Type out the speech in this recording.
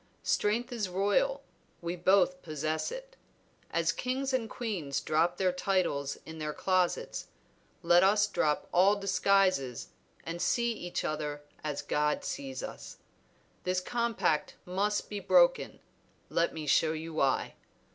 Strength is royal, we both possess it; as kings and queens drop their titles in their closets, let us drop all disguises and see each other as God sees us. This compact must be broken; let me show you why.